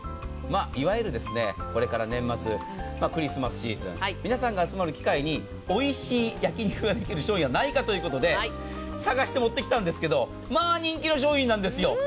いわゆる、これから年末クリスマスシーズン皆さんが集まる機会においしい焼き肉ができる商品はないかということで探して持ってきたんですけど人気の商品なんですよ。